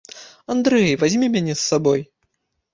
Андрэй, вазьмі мяне з сабой.